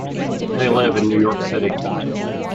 They live in New York City.